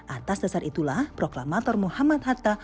atas dasar itulah proklamator muhammad hatta